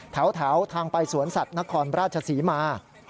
แถวทางไปสวนสัตว์นครราชศรีมา